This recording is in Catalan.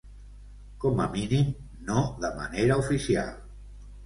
Com a mínim, no de manera oficial.